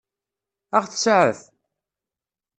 Ad ɣ-tseɛef?